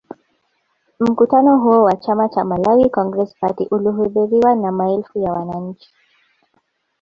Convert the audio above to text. Mkutano huo wa chama cha Malawi Congress Party ulihudhuriwa na maelfu ya wananchi